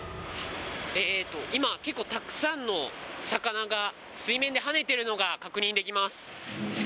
えーっと、今、たくさんの魚が水面ではねているのが確認できます。